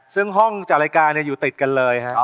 ซึ่งห้องจัดรายการอยู่ติดกันเลยครับ